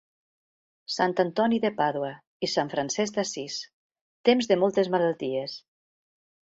Sant Antoni de Pàdua i Sant Francesc d'Assís, temps de moltes malalties.